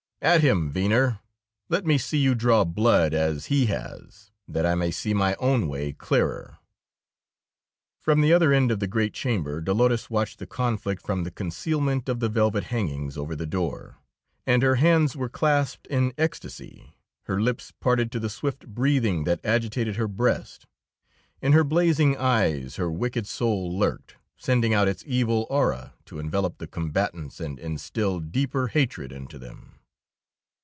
At him, Venner; let me see you draw blood as he has, that I may see my own way clearer." From the other end of the great chamber Dolores watched the conflict from the concealment of the velvet hangings over the door; and her hands were clasped in ecstasy, her lips parted to the swift breathing that agitated her breast; in her blazing eyes her wicked soul lurked, sending out its evil aura to envelop the combatants and instil deeper hatred into them.